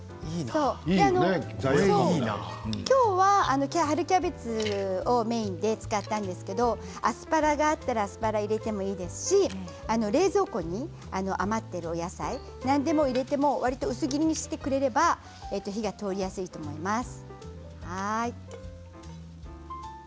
きょうは春キャベツをメインで使ったんですけどもアスパラがあったらアスパラを入れてもいいですし冷蔵庫に余っているお野菜結構、何でも入れても薄切りにしてやれば火が通りやすいと思います。